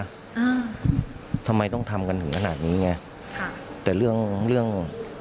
อ่าทำไมต้องทำกันถึงขนาดนี้ไงค่ะแต่เรื่องเรื่อง